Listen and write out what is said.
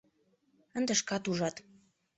— Ынде шкат ужат.